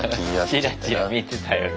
チラチラ見てたよね。